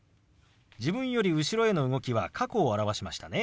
自分より後ろへの動きは過去を表しましたね。